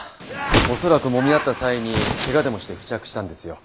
恐らくもみ合った際に怪我でもして付着したんですよ。